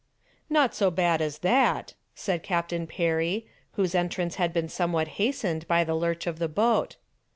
"Not so bad as that," said Captain Perry, whose entrance had been somewhat hastened by the lurch of the boat.